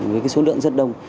với số lượng rất đông